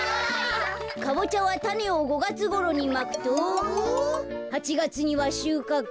「かぼちゃはたねを５がつごろにまくと８がつにはしゅうかく」。